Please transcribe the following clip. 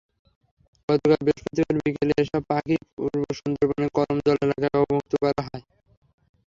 গতকাল বৃহস্পতিবার বিকেলে এসব পাখি পূর্ব সুন্দরবনের করমজল এলাকায় অবমুক্ত করা হয়।